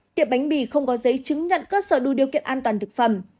tiệm bánh mì không có giấy chứng nhận cơ sở đủ điều kiện an toàn thực phẩm